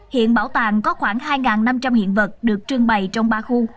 hiện bảo tàng có khoảng hai năm trăm linh hiện vật được trưng bày trong ba khu